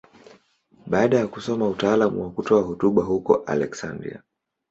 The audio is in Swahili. Baada ya kusoma utaalamu wa kutoa hotuba huko Aleksandria.